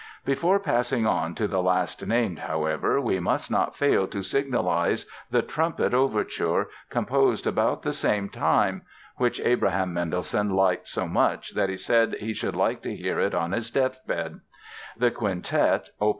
Before passing on to the last named, however, we must not fail to signalize the "Trumpet" Overture, composed about the same time (which Abraham Mendelssohn liked so much that he said he should like to hear it on his deathbed); the Quintet, Op.